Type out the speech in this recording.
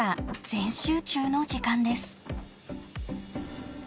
全集中の時間です。